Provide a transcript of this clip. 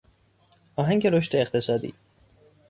آهنگ رشد اقتصادی